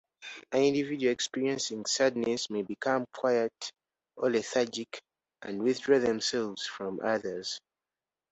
An individual experiencing sadness may become quiet or lethargic, and withdraw themselves from others.